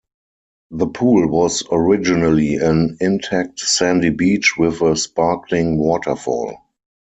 The Pool was originally an intact sandy beach with a sparkling waterfall.